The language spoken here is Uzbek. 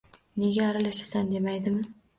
Nega aralashasan demaydimi?..